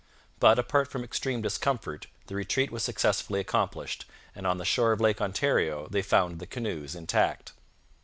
But, apart from extreme discomfort, the retreat was successfully accomplished, and on the shore of Lake Ontario they found the canoes intact.